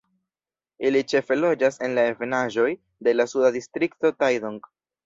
Ili ĉefe loĝas en la ebenaĵoj de la suda distrikto Taidong.